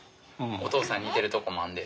お父さん似てるとこもあんで。